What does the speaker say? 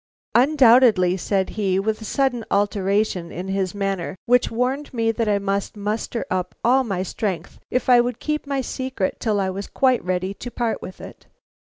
"Undoubtedly," said he, with a sudden alteration in his manner which warned me that I must muster up all my strength if I would keep my secret till I was quite ready to part with it.